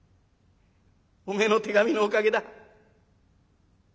おめえの手紙のおかげだ。